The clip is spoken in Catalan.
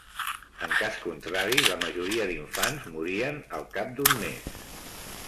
En cas contrari, la majoria d'infants morien al cap d’un mes.